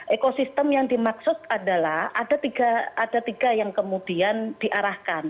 ekosistem yang dimaksud adalah ada tiga yang kemudian diarahkan